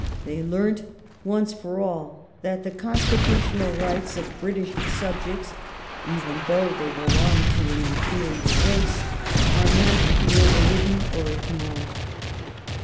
They learnt, once for all, that the constitutional rights of British subjects, even though they belong to an inferior race, are not to be overridden or ignored.